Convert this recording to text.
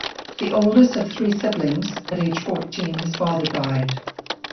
The oldest of three siblings, at age fourteen his father died.